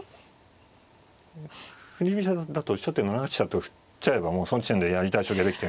振り飛車だと初手７八飛車と振っちゃえばその時点でやりたい将棋ができてんで。